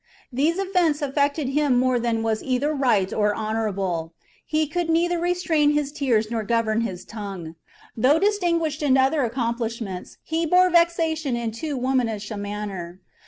These events affected him more than was either right or honourable ; he could neither restrain his tears nor govern his tongue. Though dis tinguished in other accomplishments, he bore vexation in too womanish a manner.